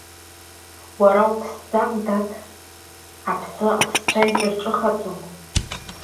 Уара уԥсӡам, дад, аԥсы аԥсцәа изырҿыхаӡом.